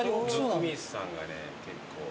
温水さんがね結構。